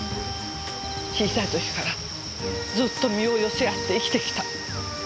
小さい時からずっと身を寄せ合って生きてきた。